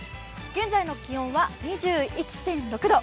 現在の気温は２１．６度。